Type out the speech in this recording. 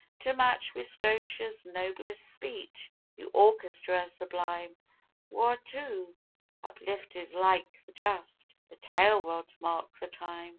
To match wi' Scotia's noblest speech yon orchestra sublime Whaurto uplifted like the Just the tail rods mark the time.